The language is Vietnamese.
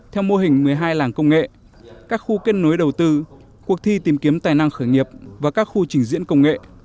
theo mô hình một mươi hai làng công nghệ các khu kết nối đầu tư cuộc thi tìm kiếm tài năng khởi nghiệp và các khu trình diễn công nghệ